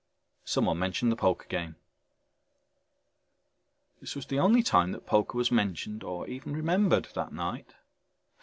Someone mentioned the poker game. This was the only time that poker was mentioned or even remembered that night.